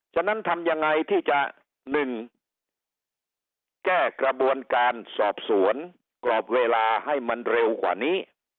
ฉะนั้นทำยังไงที่จะ๑แก้กระบวนการสอบสวนกรอบเวลาให้มันเร็วกว่านี้